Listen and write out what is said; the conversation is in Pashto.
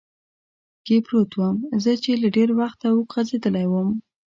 کې پروت ووم، زه چې له ډېر وخته اوږد غځېدلی ووم.